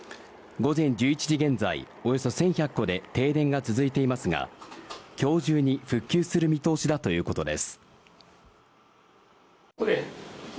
午前１１時現在、およそ１１００戸で停電が続いていますが今日中に復旧する見通しだということです。